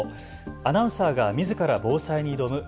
アナウンサーがみずから防災に挑む＃